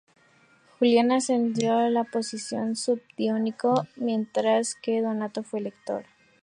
Julian ascendió a la posición de subdiácono mientras que Donato fue lector.